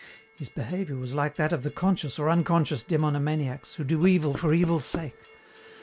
"His behaviour was like that of the conscious or unconscious demonomaniacs who do evil for evil's sake.